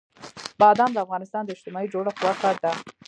بادام د افغانستان د اجتماعي جوړښت برخه ده.